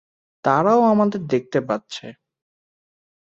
তারাও আমাদের দেখতে পাচ্ছে।